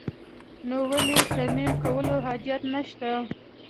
نو ولې يې تيمم کولو حاجت نشته.